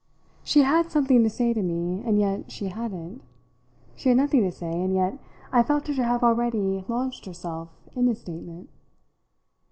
She had something to say to me, and yet she hadn't; she had nothing to say, and yet I felt her to have already launched herself in a statement.